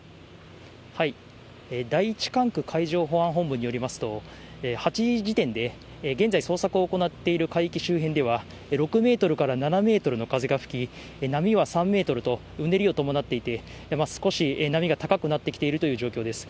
第１管区海上保安本部によりますと、８時時点で、現在捜索を行っている海域周辺では、６メートルから７メートルの風が吹き、波は３メートルと、うねりを伴っていて、少し波が高くなってきているという状況です。